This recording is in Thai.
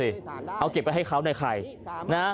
เอาเก็บไปให้เขาได้ใคร